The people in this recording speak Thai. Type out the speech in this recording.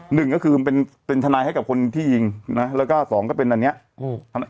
หนึ่งก็คือเป็นเป็นทนายให้กับคนที่ยิงนะแล้วก็สองก็เป็นอันเนี้ยอืม